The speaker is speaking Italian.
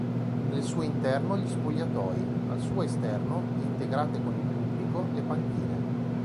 Nel suo interno gli spogliatoi, al suo esterno, integrate con il pubblico, le panchine.